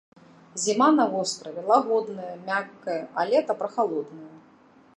Зіма на востраве лагодная, мяккая, а лета прахалоднае.